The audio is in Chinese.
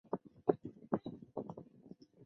其他着作权条约并不要求这种手续。